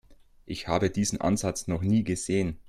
Ich habe diesen Ansatz noch nie gesehen.